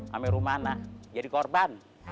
sama rumana jadi korban